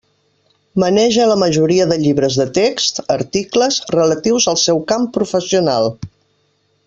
Maneja la majoria de llibres de text, articles, relatius al seu camp professional.